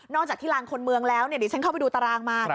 จากที่ลานคนเมืองแล้วดิฉันเข้าไปดูตารางมา